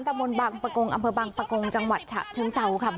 บนบางประกงอำเภอบางปะโกงจังหวัดฉะเชิงเซาค่ะ